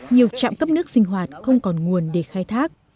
nhiều trạm cấp nước sinh hoạt không còn nguồn để khai thác